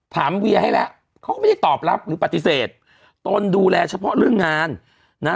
เวียให้แล้วเขาก็ไม่ได้ตอบรับหรือปฏิเสธตนดูแลเฉพาะเรื่องงานนะ